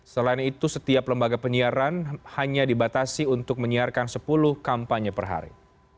selain itu setiap lembaga penyiaran hanya dibatasi untuk menyiarkan sepuluh kampanye per hari